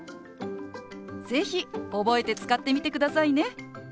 是非覚えて使ってみてくださいね。